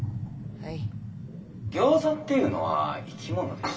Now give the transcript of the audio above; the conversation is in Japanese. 「はい」。